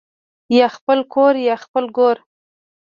یا خپل کور یا خپل ګور